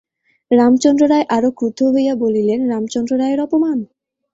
রামচন্দ্র রায় আরো ক্রুদ্ধ হইয়া বলিলেন, রামচন্দ্র রায়ের অপমান!